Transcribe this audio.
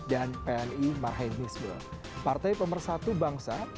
dan pni marhaimisme partai pemersatu bangsa